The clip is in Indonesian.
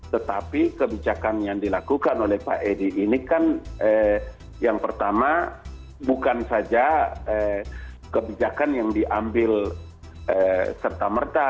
tetapi kebijakan yang dilakukan oleh pak edi ini kan yang pertama bukan saja kebijakan yang diambil serta merta